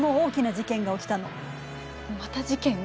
また事件？